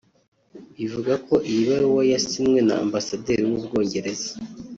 Bivugwa ko iyi baruwa yasinywe na Ambasaderi w’u Bwongereza